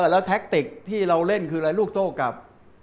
แล้วแท็กติกที่เราเล่นคืออะไรลูกโต้กลับ